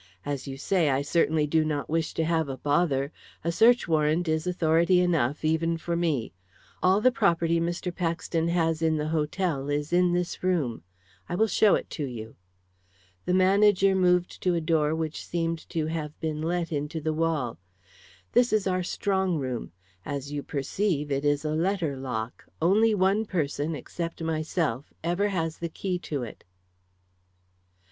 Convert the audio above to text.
As you say, I certainly do not wish to have a bother. A search warrant is authority enough, even for me. All the property Mr. Paxton has in the hotel is in this room. I will show it to you." The manager moved to a door which seemed to have been let into the wall. "This is our strong room. As you perceive, it is a letter lock. Only one person, except myself, ever has the key to it."